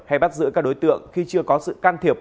hay bắt giữ các đối tượng khi chưa có sự can thiệp